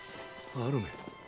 アルメ？